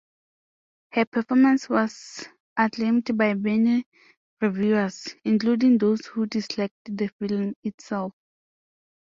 Her performance was acclaimed by many reviewers, including those who disliked the film itself.